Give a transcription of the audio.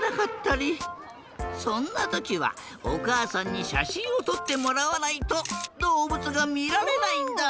そんなときはおかあさんにしゃしんをとってもらわないとどうぶつがみられないんだ。